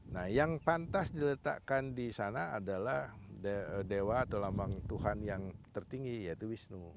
nah yang pantas diletakkan di sana adalah dewa atau lambang tuhan yang tertinggi yaitu wisnu